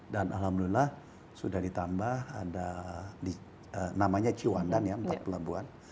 dan alhamdulillah sudah ditambah ada namanya ciuandang ya empat pelaguan